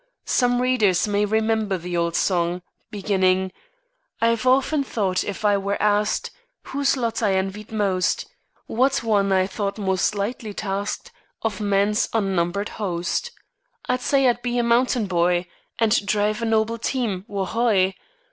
Some readers may remember the old song, beginning: "I've often thought if I were asked Whose lot I envied most, What one I thought most lightly tasked Of man's unnumbered host, I'd say I'd be a mountain boy And drive a noble team wo hoy!